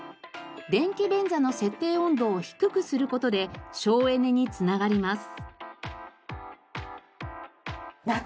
電気便座の設定温度を低くする事で省エネに繋がります。